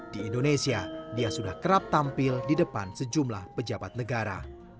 di indonesia dia sudah kerap tampil di depan sejumlah pejabat negara